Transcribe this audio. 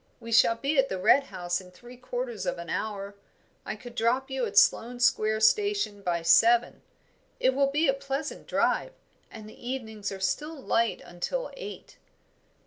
We shall be at the Red House in three quarters of an hour. I could drop you at Sloane Square station by seven. It will be a pleasant drive, and the evenings are still light until eight."